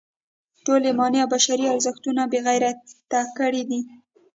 ټول ایماني او بشري ارزښتونه یې بې غیرته کړي دي.